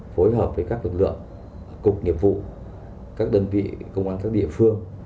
phối hợp với các lực lượng cục nghiệp vụ các đơn vị công an các địa phương